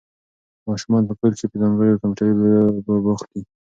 ماشومان په کور کې په ځانګړو کمپیوټري لوبو بوخت دي.